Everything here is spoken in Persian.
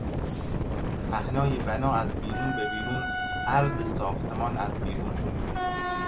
پهنای بنا از بیرون به بیرون، عرض ساختمان از بیرون